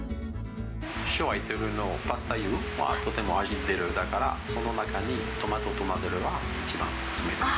塩入ってるの、パスタ湯はとても味出るだからその中にトマトと混ぜるのが一番お勧めです。